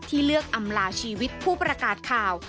เลือกอำลาชีวิตผู้ประกาศข่าว